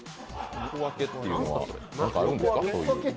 横分けっていうのは何かあるんすか？